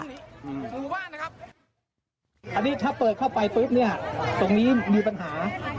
อันนี้ถ้าเปิดเข้าไปปุ๊บเนี่ยตรงนี้มีปัญหา